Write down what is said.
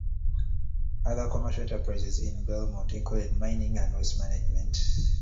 Other commercial enterprises in Belmont included mining and waste management.